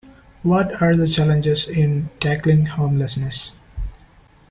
What are the challenges in tackling homelessness?